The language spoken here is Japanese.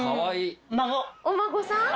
お孫さん？